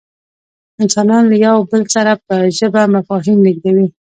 انسانان له یو بل سره په ژبه مفاهیم لېږدوي.